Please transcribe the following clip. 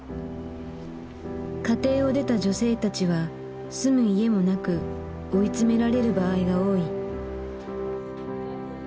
家庭を出た女性たちは住む家もなく追い詰められる場合が多い。